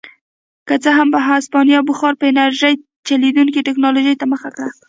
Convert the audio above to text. که څه هم هسپانیا بخار په انرژۍ چلېدونکې ټکنالوژۍ ته مخه کړه.